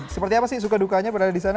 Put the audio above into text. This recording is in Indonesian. seperti apa sih suka dukanya berada di sana